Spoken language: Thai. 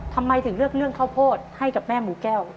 ทำไมถึงเลือกเรื่องข้าวโพดให้กับแม่หมูแก้ว